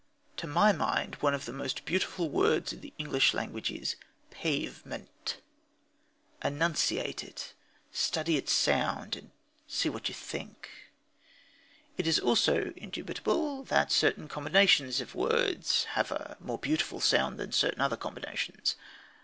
To my mind one of the most beautiful words in the English language is "pavement." Enunciate it, study its sound, and see what you think. It is also indubitable that certain combinations of words have a more beautiful sound than certain other combinations.